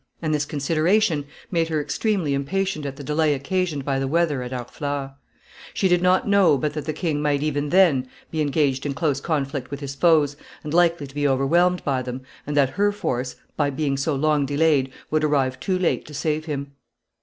And this consideration made her extremely impatient at the delay occasioned by the weather at Harfleur. She did not know but that the king might even then be engaged in close conflict with his foes, and likely to be overwhelmed by them, and that her force, by being so long delayed, would arrive too late to save him.